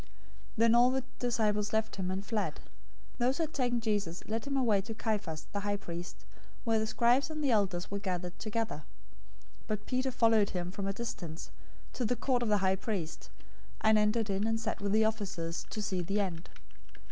Then all the disciples left him, and fled. 026:057 Those who had taken Jesus led him away to Caiaphas the high priest, where the scribes and the elders were gathered together. 026:058 But Peter followed him from a distance, to the court of the high priest, and entered in and sat with the officers, to see the end.